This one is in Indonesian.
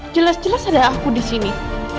jelas jelas ada aku disini